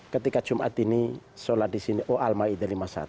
ketika jumat ini sholat di sini oh al ma'idah lima puluh satu